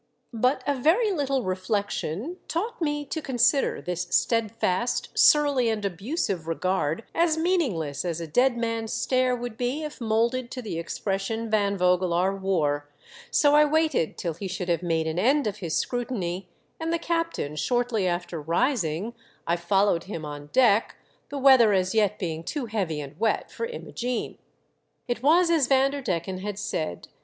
But a very little reflection taught me to consider this stead fast, surly and abusive regard as meaningless as a dead man's stare would be if moulded to the expression Van Vogelaar wore ; so I waited till he should have made an end of his scrutiny, and the captain shortly after rising, I followed him on deck, the weather as yet being too heavy and wet for Imogene. It was as Vanderdecken had said.